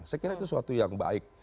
saya kira itu suatu yang baik